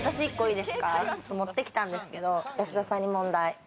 持ってきたんですけれども、保田さんに問題。